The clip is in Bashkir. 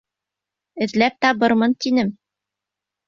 Эҙләп табырмын, тинем.